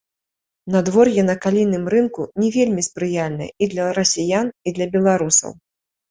Надвор'е на калійным рынку не вельмі спрыяльнае і для расіян, і для беларусаў.